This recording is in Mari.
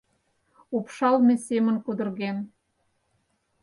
Упшалме семын кудырген.